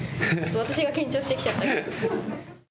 私が緊張してきちゃった。